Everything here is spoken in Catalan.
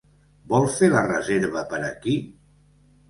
Vol fer la reserva per aquí?